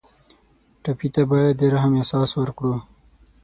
ټپي ته باید د رحم احساس ورکړو.